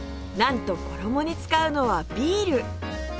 なんと衣に使うのはビール！